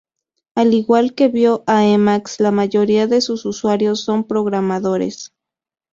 Al igual que vi o Emacs, la mayoría de sus usuarios son programadores.